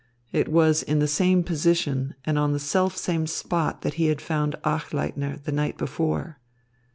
It was in the same position and on the selfsame spot that he had found Achleitner the night before.